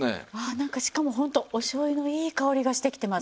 なんかしかもホントお醤油のいい香りがしてきてます。